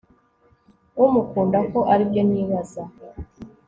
umukunda ko aribyo nibaza